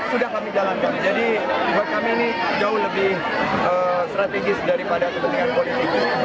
sudah kami jalankan jadi buat kami ini jauh lebih strategis daripada kepentingan politik